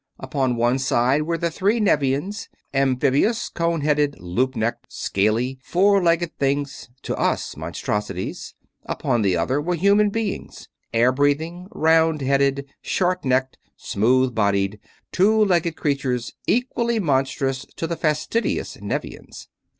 Upon one side were the three Nevians; amphibious, cone headed, loop necked, scaly, four legged things to us monstrosities: upon the other were human beings; air breathing, round headed, short necked, smooth bodied, two legged creatures equally monstrous to the fastidious Nevians.